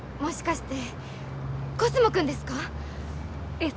えっ？